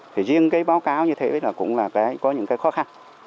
thì riêng cái báo cáo như thế là cũng là cái có những cái khó khăn